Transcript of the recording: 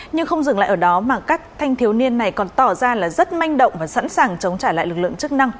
nhưng không dừng lại ở đó mà các thanh thiếu niên này còn tỏ ra là rất manh động và sẵn sàng chống trả lại lực lượng chức năng